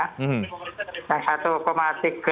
nah satu tiga juta